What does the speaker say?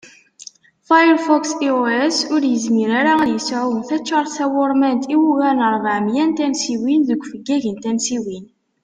Firefox iOS ur yizmir ara ad yesεu taččart tawurmant i ugar n rbeɛ miyya n tansiwin deg ufeggag n tansiwin